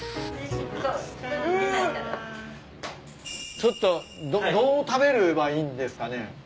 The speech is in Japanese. ちょっとどう食べればいいんですかね？